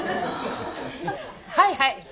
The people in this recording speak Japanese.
はいはい。